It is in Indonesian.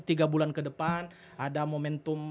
tiga bulan ke depan ada momentum